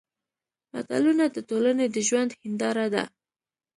متلونه د ټولنې د ژوند هېنداره ده